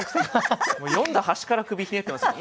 もう読んだ端から首ひねってますもんね。